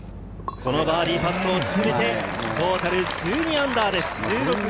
そのバーディーパットを沈めて、トータル−１２です。